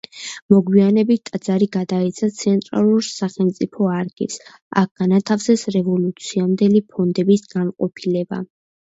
მოგვიანებით ტაძარი გადაეცა ცენტრალურ სახელმწიფო არქივს: აქ განათავსეს რევოლუციამდელი ფონდების განყოფილება.